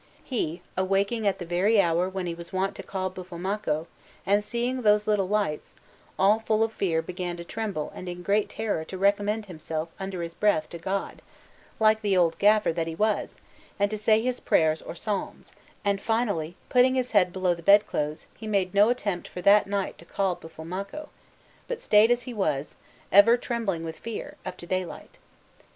He, awaking at the very hour when he was wont to call Buffalmacco, and seeing those little lights, all full of fear began to tremble and in great terror to recommend himself under his breath to God, like the old gaffer that he was, and to say his prayers or psalms; and finally, putting his head below the bedclothes, he made no attempt for that night to call Buffalmacco, but stayed as he was, ever trembling with fear, up to daylight.